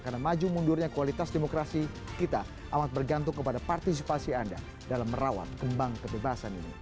karena maju mundurnya kualitas demokrasi kita amat bergantung kepada partisipasi anda dalam merawat kembang kebebasan ini